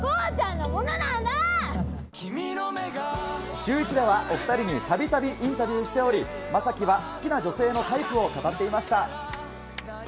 シューイチではお２人にたびたびインタビューしており、将暉は好きな女性のタイプを語っていました。